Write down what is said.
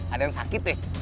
ada yang sakit ya